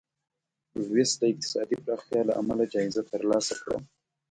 لویس د اقتصادي پراختیا له امله جایزه ترلاسه کړه.